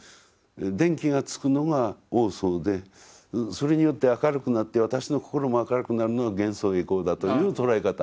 電気がつくのが往相でそれによって明るくなって私の心も明るくなるのが還相回向だという捉え方。